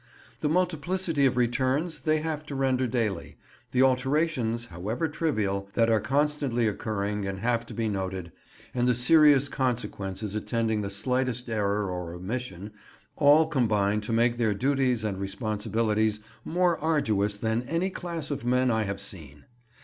The multiplicity of returns they have to render daily, the alterations, however trivial, that are constantly occurring and have to be noted, and the serious consequences attending the slightest error or omission, all combine to make their duties and responsibilities more arduous than any class of men I have seen.